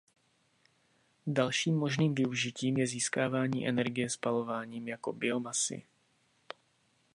Dalším možným využitím je získávání energie spalováním jako biomasy.